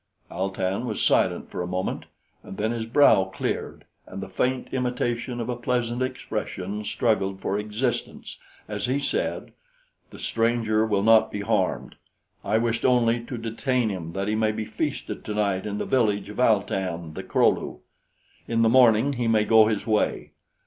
Al tan was silent for a moment, and then his brow cleared, and the faint imitation of a pleasant expression struggled for existence as he said: "The stranger will not be harmed. I wished only to detain him that he may be feasted tonight in the village of Al tan the Kro lu. In the morning he may go his way.